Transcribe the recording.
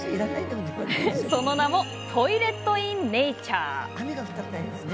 その名もトイレット・イン・ネイチャー。